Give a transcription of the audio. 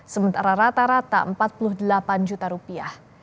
sementara rata rata empat puluh delapan juta rupiah